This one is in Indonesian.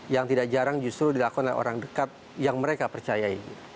yang tidak jarang justru dilakukan oleh orang dekat yang mereka percayai